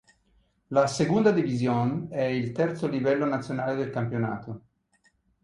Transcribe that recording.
La "Segunda División" è il terzo livello nazionale del campionato.